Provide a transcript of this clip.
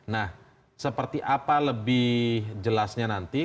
nah seperti apa lebih jelasnya nanti